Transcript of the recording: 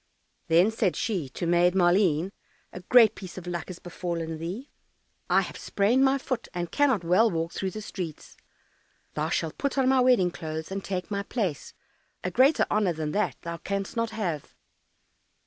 Then said she to Maid Maleen, "A great piece of luck has befallen thee. I have sprained my foot, and cannot well walk through the streets; thou shalt put on my wedding clothes and take my place; a greater honour than that thou canst not have!"